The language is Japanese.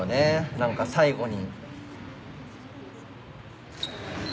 何か最後に。